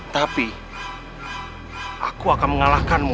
tapi aku akan mengalahkanmu